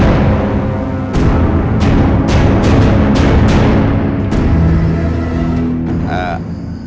ada yang mau diterkam